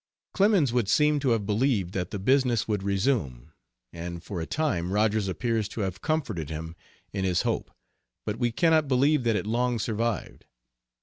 Clemens would seem to have believed that the business would resume, and for a time Rogers appears to have comforted him in his hope, but we cannot believe that it long survived.